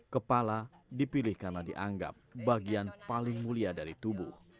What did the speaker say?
kepala dipilih karena dianggap bagian paling mulia dari tubuh